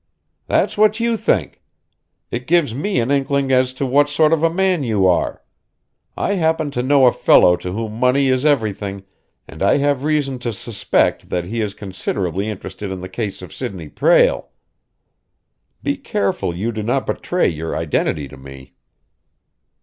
"That's what you think. It gives me an inkling as to what sort of man you are. I happen to know a fellow to whom money is everything and I have reason to suspect that he is considerably interested in the case of Sidney Prale. Be careful you do not betray your identity to me!"